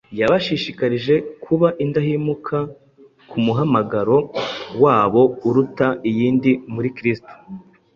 yabashishikarije kuba indahemuka ku muhamagaro wabo uruta iyindi muri kristo.